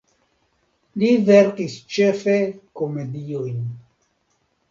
Li verkis ĉefe komediojn.